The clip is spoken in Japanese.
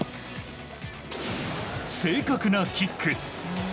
正確なキック。